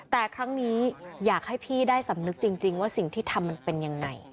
แต่ครั้งนี้อยากให้พี่ได้สำนึกจริงว่าสิ่งที่ทำมันเป็นยังไง